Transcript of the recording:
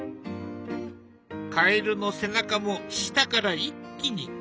カエルの背中も下から一気に。